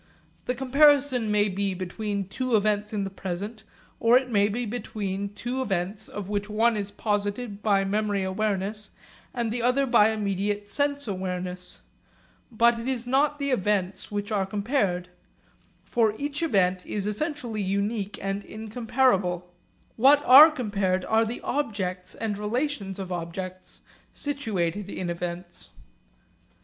The comparison may be between two events in the present, or it may be between two events of which one is posited by memory awareness and the other by immediate sense awareness. But it is not the events which are compared. For each event is essentially unique and incomparable. What are compared are the objects and relations of objects situated in events.